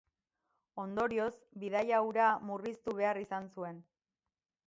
Ondorioz, bidaia hura murriztu behar izan zuen.